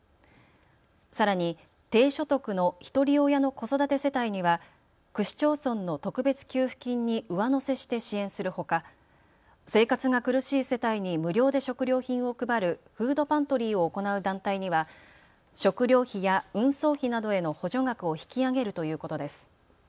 さらに低所得のひとり親の子育て世帯には区市町村の特別給付金に上乗せして支援するほか、生活が苦しい世帯に無料で食料品を配るフードパントリーを行う団体には食料費や輸送費などへの補助額を引き上げるということです。